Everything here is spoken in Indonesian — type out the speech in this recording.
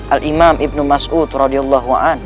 al imam ibnu mas'ud ra